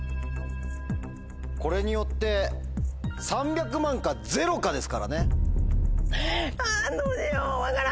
これによって３００万か０かですからね。